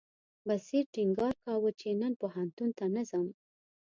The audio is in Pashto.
بصیر ټینګار کاوه چې نن پوهنتون ته نه ځم.